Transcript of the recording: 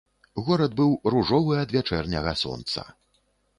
Горад быў ружовы ад вячэрняга сонца.